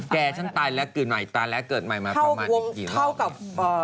แก่ฉันตายและเกิดใหม่มาประมาณอีกกี่รัง